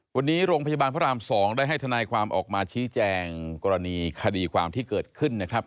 วันนี้โรงพยาบาลพระราม๒ได้ให้ทนายความออกมาชี้แจงกรณีคดีความที่เกิดขึ้นนะครับ